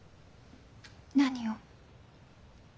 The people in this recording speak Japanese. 何を？